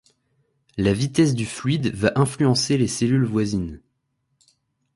La vitesse du fluide va influencer les cellules voisines.